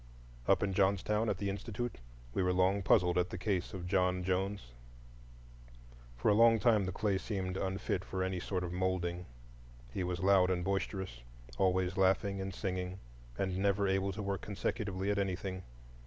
Up in Johnstown, at the Institute, we were long puzzled at the case of John Jones. For a long time the clay seemed unfit for any sort of moulding. He was loud and boisterous, always laughing and singing, and never able to work consecutively at anything.